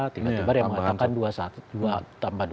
tiba tiba ada yang mengatakan tambah dua